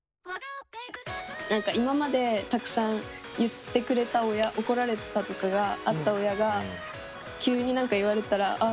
何か今までたくさん言ってくれた親怒られたとかがあった親が急に何か言われたらああ